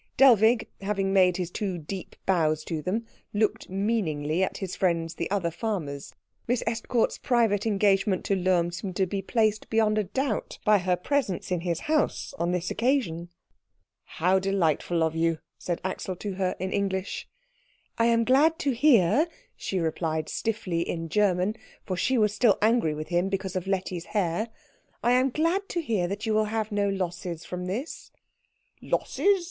Dellwig, having made his two deep bows to them, looked meaningly at his friends the other farmers; Miss Estcourt's private engagement to Lohm seemed to be placed beyond a doubt by her presence in his house on this occasion. "How delightful of you," said Axel to her in English. "I am glad to hear," she replied stiffly in German, for she was still angry with him because of Letty's hair, "I am glad to hear that you will have no losses from this." "Losses!"